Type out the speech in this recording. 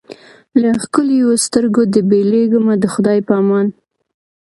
له ښکلیو سترګو دي بېلېږمه د خدای په امان